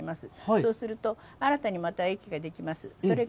そうすると、新たにまた液ができます。